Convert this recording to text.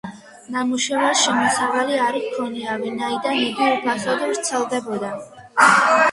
ნამუშევარს შემოსავალი არ ჰქონია, ვინაიდან იგი უფასოდ ვრცელდებოდა.